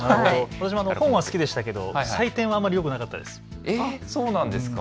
私も本は好きでしたけど採点はあまりよくなかったです。